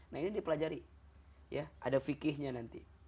nah ini dipelajari